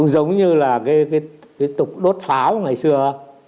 giống như là cái tục đốt pháo ngày xưa